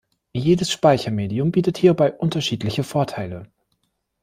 Jedes Speichermedium bietet hierbei unterschiedliche Vorteile.